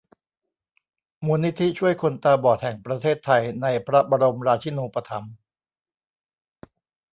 มูลนิธิช่วยคนตาบอดแห่งประเทศไทย ในพระบรมราชินูปถัมภ์